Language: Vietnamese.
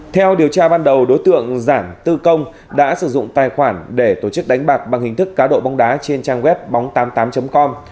theo điều tra ban đầu đối tượng giản tư công đã sử dụng tài khoản để tổ chức đánh bạc bằng hình thức cá độ bóng đá trên trang web bóng tám mươi tám com